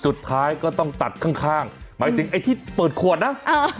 สุดท้ายก็ต้องตัดข้างข้างหมายถึงไอ้ที่เปิดขวดนะเออ